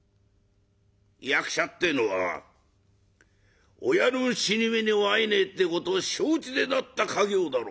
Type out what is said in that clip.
役者ってえのは親の死に目にもあえねえってことを承知でなった稼業だろう。